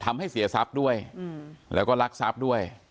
ทำให้เสียทรัพย์ด้วยแล้วก็รักทรัพย์ด้วย